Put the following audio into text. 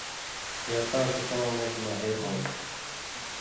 یا تاں سو کمہۡ مژ ماہر ہوں